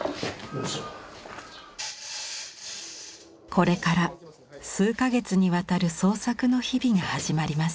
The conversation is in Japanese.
これから数か月にわたる創作の日々が始まります。